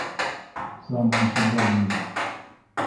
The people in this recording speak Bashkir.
Заман шундай ине.